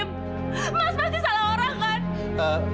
mas pasti salah orang kan